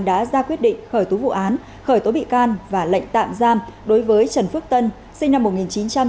đã ra quyết định khởi tố vụ án khởi tố bị can và lệnh tạm giam đối với trần phước tân sinh năm một nghìn chín trăm tám mươi